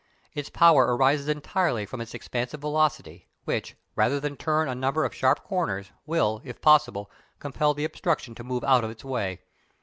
Its power arises entirely from its expansive velocity, which, rather than turn a number of sharp corners, will, if possible, compel the obstruction to move out of its way.